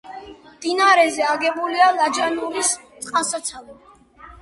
მდინარეზე აგებულია ლაჯანურის წყალსაცავი.